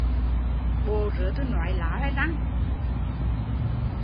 Bộ rứa tui nói láo hay răng